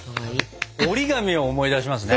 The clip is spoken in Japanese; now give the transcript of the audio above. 折り紙を思い出しますね。